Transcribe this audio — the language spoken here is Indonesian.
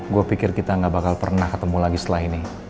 gue pikir kita gak bakal pernah ketemu lagi setelah ini